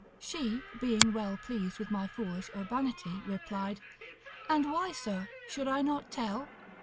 she, being well pleased with my foolish urbanity, replied, and why, sir, should I not tell?